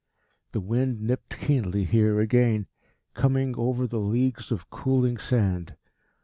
The wind nipped keenly here again, coming over the leagues of cooling sand.